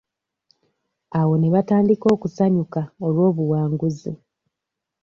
Awo ne batandika okusanyuka olw'obuwanguzi.